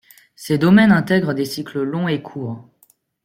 Ces domaines intègrent des cycles longs et courts.